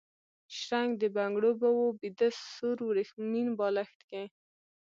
شرنګ د بنګړو، به و بیده سور وریښمین بالښت کي